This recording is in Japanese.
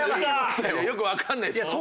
よくわかんないです。